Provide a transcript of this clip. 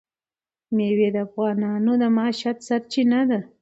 مېوې د افغانانو د معیشت سرچینه ده.